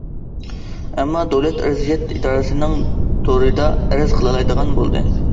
ئامما دۆلەت ئەرزىيەت ئىدارىسىنىڭ تورىدا ئەرز قىلالايدىغان بولدى.